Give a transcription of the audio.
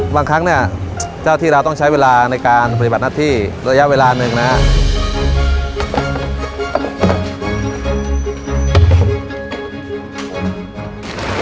บางครั้งเนี่ยเจ้าที่เราต้องใช้เวลาในการปฏิบัติหน้าที่ระยะเวลาหนึ่งนะครับ